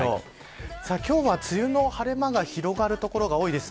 今日は梅雨の晴れ間が広がる所が多いです。